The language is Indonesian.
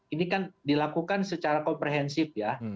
ini kan dilakukan secara komprehensif ya